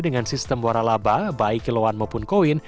dengan sistem warna laba baik kiloan maupun koin